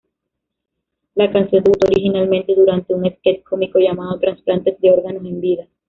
La canción debutó originalmente durante un sketch cómico llamado "Trasplantes de órganos en vida".